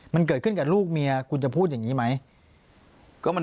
มันเกิดขึ้นกับลูกเมียคุณจะพูดอย่างนี้ไหม